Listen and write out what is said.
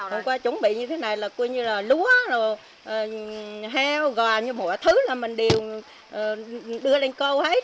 hôm qua chuẩn bị như thế này là lúa heo gò như mọi thứ là mình đều đưa lên câu hết